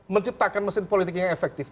menciptakan mesin politik yang efektif